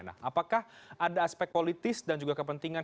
nah apakah ada aspek politis dan juga kepentingan